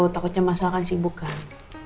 takutnya masa akan sibuk kan